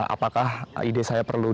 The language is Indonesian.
apakah ide saya perlu